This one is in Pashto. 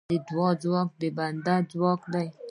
د دعا ځواک د بنده ځواک دی.